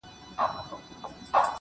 o د درد پېټی دي را نیم که چي یې واخلم,